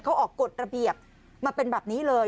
เขาออกกฎระเบียบมาเป็นแบบนี้เลย